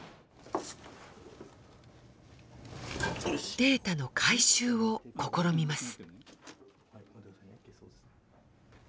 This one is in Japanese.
データの回収を試みます。